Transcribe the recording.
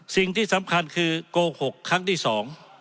สิ่งที่สำคัญคือโกหกครั้งที่สอง